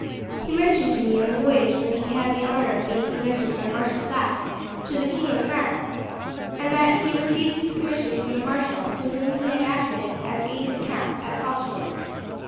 He mentioned to me on the voyage that he had the honour of being presented by Marshal Saxe to the King of France, and that he received his commission from the marshal, to whom he had acted as aide de camp at Fontenoy."